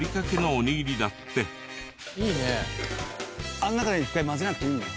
あの中で一回混ぜなくていいんだ。